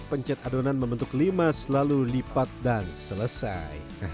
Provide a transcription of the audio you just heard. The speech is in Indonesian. pencet adonan membentuk lima selalu lipat dan selesai